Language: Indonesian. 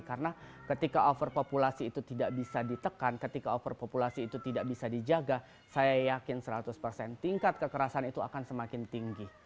karena ketika overpopulasi itu tidak bisa ditekan ketika overpopulasi itu tidak bisa dijaga saya yakin seratus persen tingkat kekerasan itu akan semakin tinggi